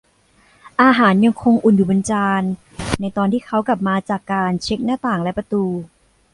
อาหารยังคงอุ่นอยู่บนจานในตอนที่เขากลับมาจากการเช็คหน้าต่างและประตู